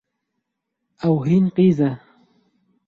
Ew hîn qîz e.